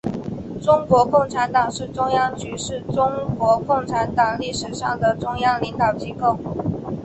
中国共产党中央局是中国共产党历史上的中央领导机构。